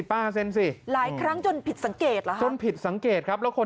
ป้าเซ็นสิหลายครั้งจนผิดสังเกตเหรอฮะจนผิดสังเกตครับแล้วคน